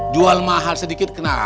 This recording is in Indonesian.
jual mahal sedikit kenapa